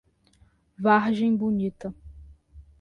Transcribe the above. Vargem Bonita